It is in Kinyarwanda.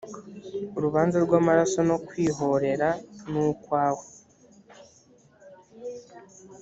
urubanza rw amaraso no kwihorera n ukwawe